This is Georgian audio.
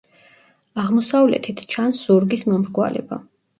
აღმოსავლეთით ჩანს ზურგის მომრგვალება.